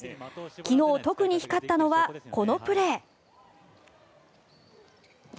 昨日、特に光ったのはこのプレー。